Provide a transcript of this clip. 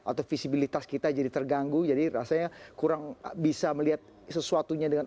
atau visibilitas kita jadi terganggu jadi rasanya kurang bisa melihat sesuatunya dengan